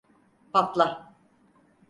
Patla!